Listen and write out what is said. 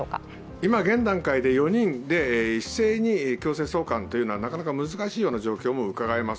今現段階で４人で一斉に強制送還はなかなか難しいということがうかがえます。